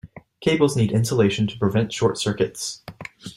Cables need insulation to prevent short circuits.